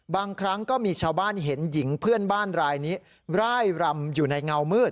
บางครั้งก็มีชาวบ้านเห็นหญิงเพื่อนบ้านรายนี้ร่ายรำอยู่ในเงามืด